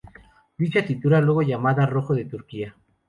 Dicha tintura, luego llamada "rojo de Turquía".